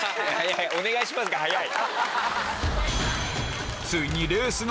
「お願いします」が早い！